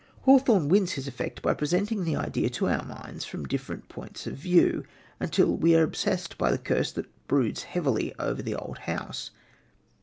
Hawthorne wins his effect by presenting the idea to our minds from different points of view, until we are obsessed by the curse that broods heavily over the old house.